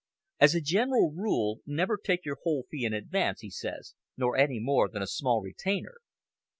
"As a general rule, never take your whole fee in advance," he says, "nor any more than a small retainer.